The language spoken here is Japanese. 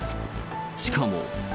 しかも。